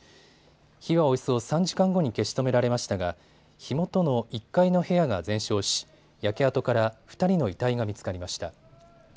火はおよそ３時間後に消し止められましたが火元の１階の部屋が全焼し焼け跡から２人の遺体が見つかりました。